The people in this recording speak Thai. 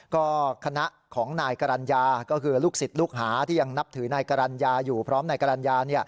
ก็คณะของนายกรรณญาก็คือลูกศิษย์ลูกหาที่ยังนับถือนายกรรณญาอยู่พร้อมนายกรรณญา